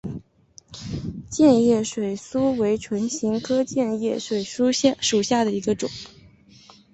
箭叶水苏为唇形科箭叶水苏属下的一个种。